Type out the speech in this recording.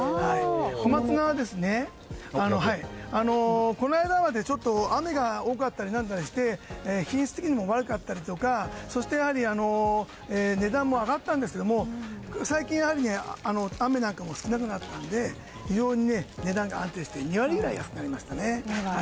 コマツナはこの間まで雨が多かったりして品質的にも悪かったりとかあと、値段も上がったんですが最近、やはり雨なんかも少なくなったので値段が安定して２割ぐらい安くなりました。